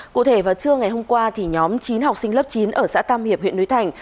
cụ thể vào trưa ngày hôm qua nhóm chín học sinh lớp chín ở xã tam hiệp huyện núi thành